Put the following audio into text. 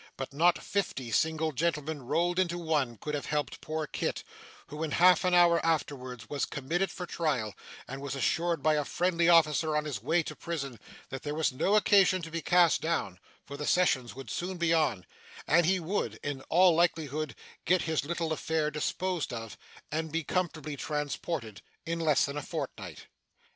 But not fifty single gentlemen rolled into one could have helped poor Kit, who in half an hour afterwards was committed for trial, and was assured by a friendly officer on his way to prison that there was no occasion to be cast down, for the sessions would soon be on, and he would, in all likelihood, get his little affair disposed of, and be comfortably transported, in less than a fortnight.